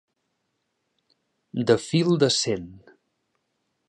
De fil de cent.